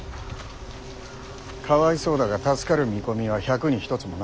かわいそうだが助かる見込みは百に一つもないな。